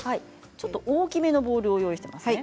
ちょっと大きめのボウルを用意していますね。